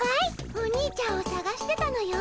おにいちゃんをさがしてたのよ。